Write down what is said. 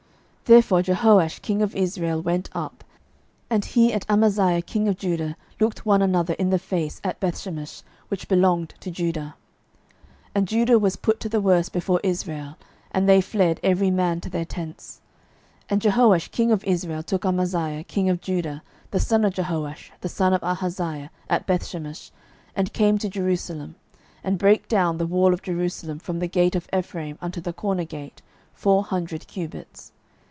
Therefore Jehoash king of Israel went up; and he and Amaziah king of Judah looked one another in the face at Bethshemesh, which belongeth to Judah. 12:014:012 And Judah was put to the worse before Israel; and they fled every man to their tents. 12:014:013 And Jehoash king of Israel took Amaziah king of Judah, the son of Jehoash the son of Ahaziah, at Bethshemesh, and came to Jerusalem, and brake down the wall of Jerusalem from the gate of Ephraim unto the corner gate, four hundred cubits.